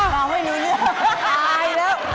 มาหล่อตายแล้ว